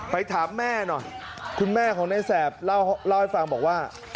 ถามแม่หน่อยคุณแม่ของในแสบเล่าให้ฟังบอกว่า